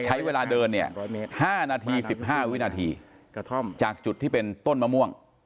ใช้เวลาเดินเนี้ยห้านาทีสิบห้าวินาทีกระท่อมจากจุดที่เป็นต้นมะม่วง